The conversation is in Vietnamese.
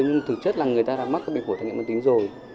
nhưng thực chất là người ta đã mất các bệnh phổi tăng nhãn mạng tính rồi